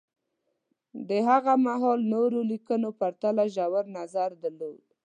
د هغه مهال نورو لیکنو پرتله ژور نظر درلود